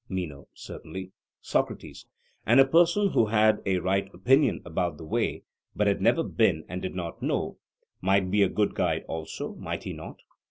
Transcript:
MENO: Certainly. SOCRATES: And a person who had a right opinion about the way, but had never been and did not know, might be a good guide also, might he not?